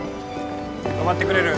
止まってくれる？